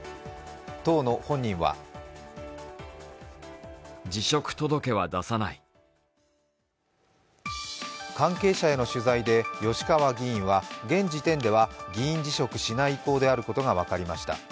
当の本人は関係者への取材で吉川議員は現時点では議員辞職しない意向であることが分かりました。